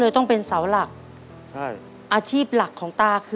อเรนนี่ต้องมีวัคซีนตัวหนึ่งเพื่อที่จะช่วยดูแลพวกม้ามและก็ระบบในร่างกาย